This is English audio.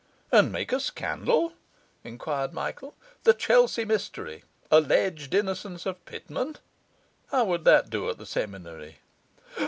'And make a scandal?' enquired Michael. '"The Chelsea Mystery; alleged innocence of Pitman"? How would that do at the Seminary?